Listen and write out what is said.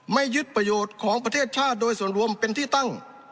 ยึดประโยชน์ของประเทศชาติโดยส่วนรวมเป็นที่ตั้ง